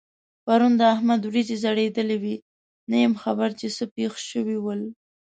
پرون د احمد وريځې ځړېدلې وې؛ نه یم خبر چې څه پېښ شوي ول؟